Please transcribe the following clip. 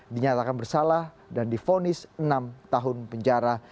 dinyatakan bersalah dan difonis enam tahun penjara